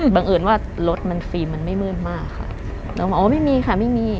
บังเอิญว่ารถมันฟิล์มมันไม่มืดมากค่ะน้องบอกอ๋อไม่มีค่ะไม่มี